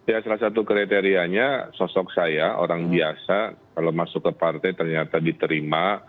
ya salah satu kriterianya sosok saya orang biasa kalau masuk ke partai ternyata diterima